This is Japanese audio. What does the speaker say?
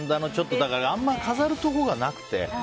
あんまり飾るところがなくて。